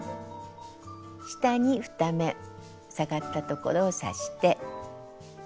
下に２目下がったところを刺して。